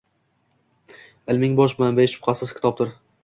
Ilmning bosh manbai, shubhasiz, kitobdir